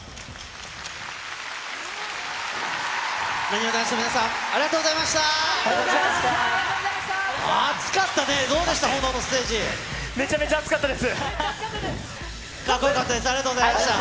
なにわ男子の皆さん、ありがありがとうございました。